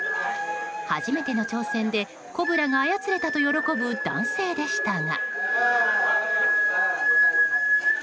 初めての挑戦でコブラが操れたと喜ぶ男性でしたが。